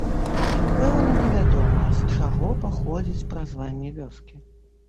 Пэўна невядома, з чаго паходзіць празванне вёскі.